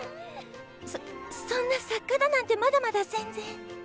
そそんな作家だなんてまだまだ全然。